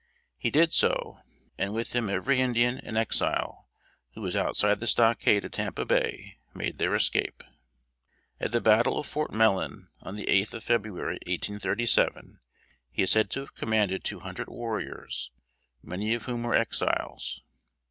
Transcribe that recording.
He did so, and with him every Indian and Exile, who was outside the stockade at Tampa Bay, made their escape. At the battle of Fort Mellon, on the eighth of February, 1837, he is said to have commanded two hundred warriors, many of whom were Exiles.